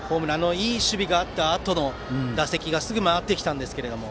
いい守備があったあと打席がすぐ回ってきたんですが。